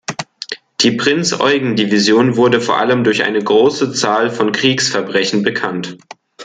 Die „Prinz Eugen-Division“ wurde vor allem durch eine große Zahl von Kriegsverbrechen bekannt.